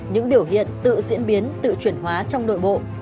những biểu hiện tự diễn biến tự chuyển hóa trong nội bộ